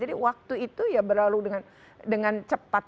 jadi waktu itu ya berlalu dengan cepat